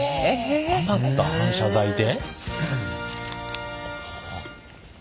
余った反射材で？